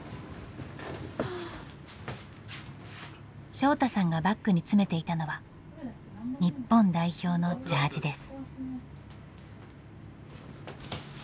翔大さんがバッグに詰めていたのは日本代表のジャージです。